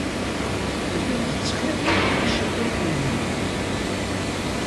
Tellid tettxiḍid iceḍḍiḍen-nnem.